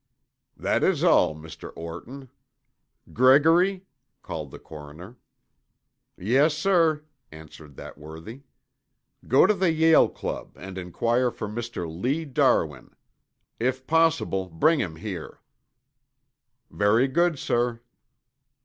"That is all, Mr. Orton. Gregory," called the coroner. "Yes, sir," answered that worthy. "Go to the Yale Club and inquire for Mr. Lee Darwin. If possible bring him here." "Very good, sir."